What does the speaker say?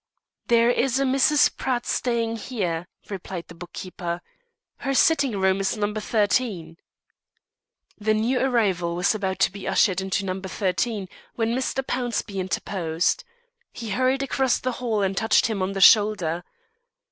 "There is a Mrs. Pratt staying here," replied the book keeper. "Her sitting room is No. 13." The new arrival was about to be ushered into No. 13, when Mr. Pownceby interposed. He hurried across the hall and touched him on the shoulder.